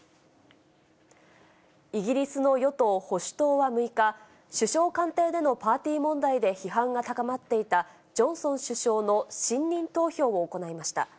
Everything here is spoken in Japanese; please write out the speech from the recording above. イギリスの与党・保守党は６日、首相官邸でのパーティー問題で批判が高まっていたジョンソン首相の信任投票を行いました。